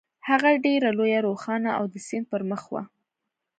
هغه ډېره لویه، روښانه او د سیند پر مخ وه.